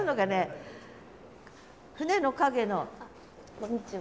こんにちは。